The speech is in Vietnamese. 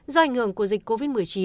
do ảnh hưởng của dịch covid một mươi chín